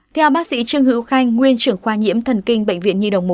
theo bác sĩ trương hữu khanh nguyên trưởng khoa nhiễm thần kinh bệnh viện nhi đồng một